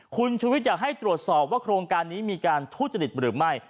คุณชุวิตอยากให้ตรวจสอบว่าโครงการนี้มีการทุจริตหรือไม่